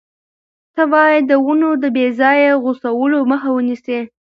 ته باید د ونو د بې ځایه غوڅولو مخه ونیسې.